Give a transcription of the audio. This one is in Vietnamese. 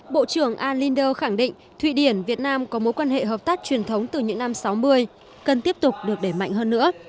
bộ trưởng alinder khẳng định thụy điển việt nam có mối quan hệ hợp tác truyền thống từ những năm sáu mươi cần tiếp tục được để mạnh hơn nữa